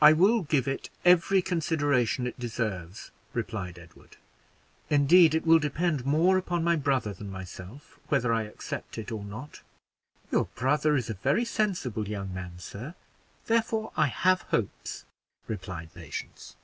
"I will give it every consideration it deserves," replied Edward. "Indeed, it will depend more upon my brother than myself whether I accept it or not." "Your brother is a very sensible young man, sir; therefore, I have hopes," replied Patience.